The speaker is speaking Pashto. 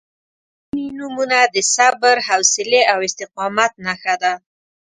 • ځینې نومونه د صبر، حوصلې او استقامت نښه ده.